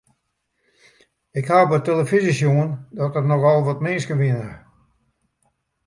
Ik haw op 'e telefyzje sjoen dat der nochal wat minsken wiene.